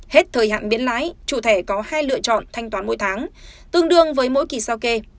hết thời hạn miễn lãi chủ thẻ có hai lựa chọn thanh toán mỗi tháng tương đương với mỗi kỳ sao kê